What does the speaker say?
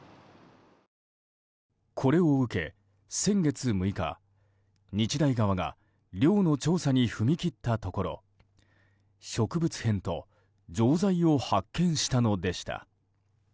これを受け、先月６日日大側が寮の調査に踏み切ったところ植物片と錠剤を発見したのでした。